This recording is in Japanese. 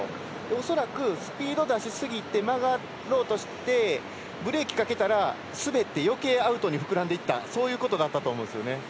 恐らくスピード出しすぎて曲がろうとしてブレーキかけたらよけいアウトに膨らんでいったそういうことがあったと思うんですね。